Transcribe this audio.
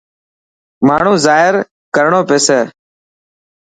ماڻهو زاهر ڪرڻو پيسي.